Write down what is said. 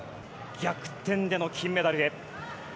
逆転での金メダルへ。